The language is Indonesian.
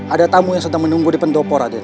ada tamu yang sedang menunggu di pendopo raden